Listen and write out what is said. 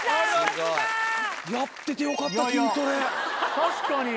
確かに。